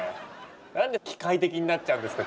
何で機械的になっちゃうんですか？